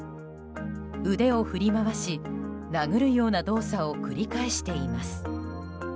腕を振り回し殴るような動作を繰り返しています。